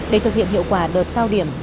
để thực hiện hiệu quả đợt cao điểm